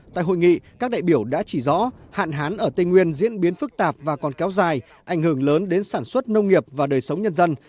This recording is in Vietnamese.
tại hội nghị các đại biểu đã chỉ rõ hạn hán ở tây nguyên diễn biến phức tạp và còn kéo dài ảnh hưởng lớn đến sản xuất nông nghiệp và đời sống nhân dân